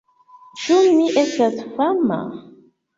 Ĉu mi estas fama?